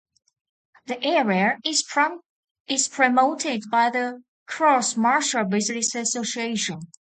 The area is promoted by the Crouse-Marshall Business Association.